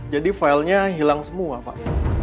jadi file nya hilang semua pak